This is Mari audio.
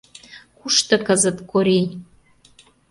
Кушто кызыт Корий?